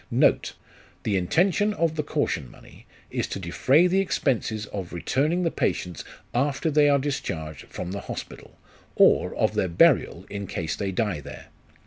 " Note. The intention of the caution money is to defray the expenses of returning the patients after they are discharged from the Hospital, or of their burial in case they die there.